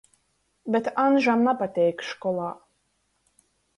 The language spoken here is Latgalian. Bet Aņžam napateik školā.